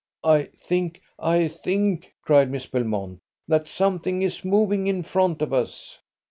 "I think ... I think," cried Mrs. Belmont, "that something is moving in front of us."